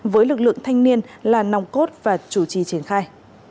với lực lượng thanh niên là nòng cốt và chủ trì triển khai